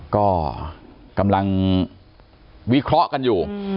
ก็กำลังวิเคราะห์กันอยู่